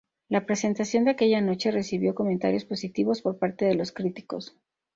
La presentación de aquella noche recibió comentarios positivos por parte de los críticos.